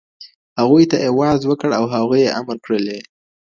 هغوی ته ئې وعظ وکړ او هغوی ئې امر کړلې.